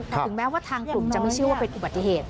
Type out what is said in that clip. ถึงแม้ว่าทางกลุ่มจะไม่เชื่อว่าเป็นอุบัติเหตุ